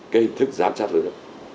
cái hình thức giám sát đó